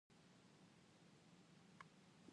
Bagai pelanduk di cerang rimba